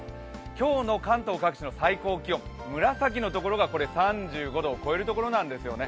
今日の関東各地の最高気温、紫のところが３５度を超えるところなんですよね。